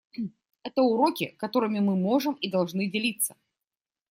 Это уроки, которыми мы можем и должны делиться.